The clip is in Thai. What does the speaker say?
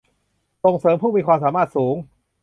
ส่งเสริมผู้มีความสามารถสูง